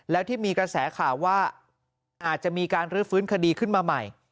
แล้วที่มีกระแสข่าวว่าอาจจะมีการรื้อฟื้นคดีขึ้นมาใหม่